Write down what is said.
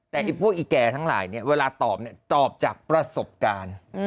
แต่พวกอีแก่ทั้งหลายเวลาตอบตอบจากประสบการณ์